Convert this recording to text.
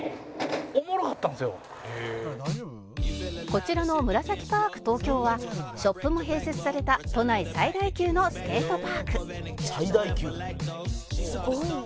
「こちらのムラサキパーク東京はショップも併設された都内最大級のスケートパーク」「最大級」「すごいのある」